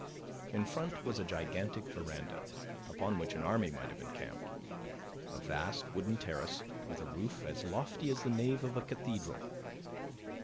In front was a gigantic veranda, upon which an army might have encamped a vast wooden terrace, with a roof as lofty as the nave of a cathedral.